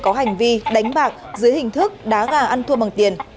có hành vi đánh bạc dưới hình thức đá gà ăn thua bằng tiền